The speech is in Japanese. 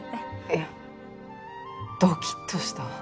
いやドキッとしたわ。